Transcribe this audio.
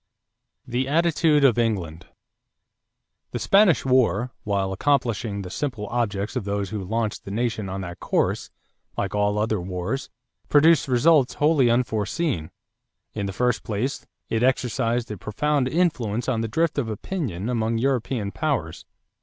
=The Attitude of England.= The Spanish war, while accomplishing the simple objects of those who launched the nation on that course, like all other wars, produced results wholly unforeseen. In the first place, it exercised a profound influence on the drift of opinion among European powers.